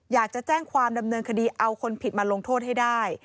อยากจะแจ้งความดำเนินคดีเอาคนผิดมาลงโทษให้ได้